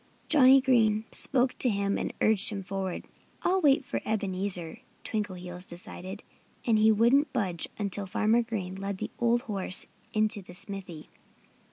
Johnnie Green spoke to him and urged him forward. "I'll wait for Ebenezer," Twinkleheels decided. And he wouldn't budge until Farmer Green led the old horse into the smithy.